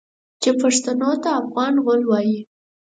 چې پښتنو ته افغان غول وايي.